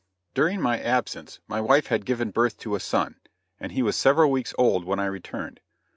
During my absence, my wife had given birth to a son, and he was several weeks old when I returned.